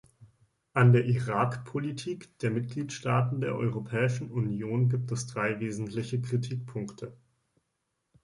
An der Irak-Politik der Mitgliedstaaten der Europäischen Union gibt es drei wesentliche Kritikpunkte.